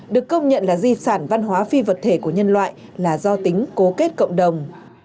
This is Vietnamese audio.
được công nhận là di sản văn hóa phi vật thể của nhân loại là do tính cố kết cộng đồng